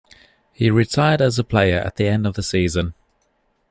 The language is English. He retired as a player at the end of the season.